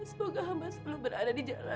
semoga hamba selalu berada di jalanmu ya allah